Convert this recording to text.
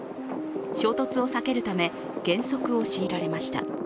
衝突を避けるため、減速を強いられました。